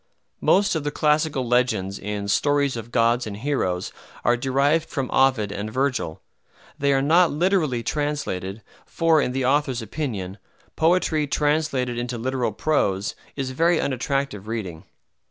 Most of the classical legends in "Stories of Gods and Heroes" are derived from Ovid and Virgil. They are not literally translated, for, in the author's opinion, poetry translated into literal prose is very unattractive reading.